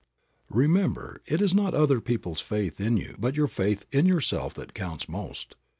Remember it is not other people's faith in you but your faith in yourself that counts most.